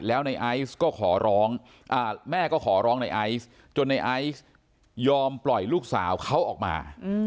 แล้วในไอซ์ก็ขอร้องแม่ก็ขอร้องในไอซ์จนในไอซ์ยอมปล่อยลูกสาวเขาออกมา